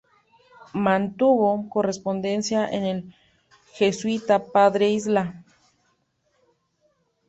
Mantuvo correspondencia en el jesuita Padre Isla.